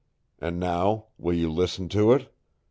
And now, will you listen to it?